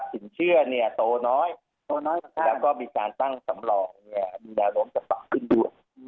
สินเชื่อเนี่ยโตน้อยแล้วก็มีการตั้งสำรองเนี่ยมีดารมณ์จะปล่อยขึ้นด้วย